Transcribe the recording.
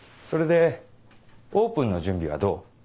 それでオープンの準備はどう？